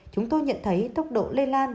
chúng tôi nhận thấy tốc độ lây lan